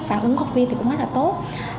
phản ứng học viên thì cũng rất là tốt